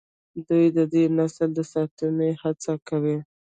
دوی د دې نسل د ساتلو هڅه کوي.